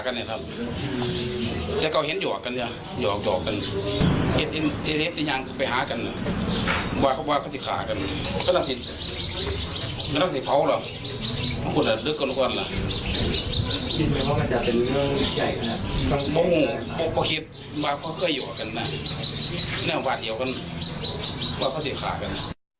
แนวบ้านเดียวกันว่าเขาเสียขาดกัน